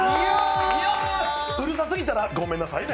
うるさすぎたらごめんなさいね。